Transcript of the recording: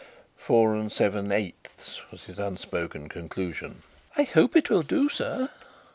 "Four and seven eighths," was his unspoken conclusion. "I hope it will do sir."